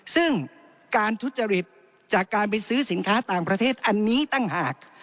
ซึ่งการทุจริตจากการไปซื้อสินค้าต่างประเทศอันนี้ต่างหาก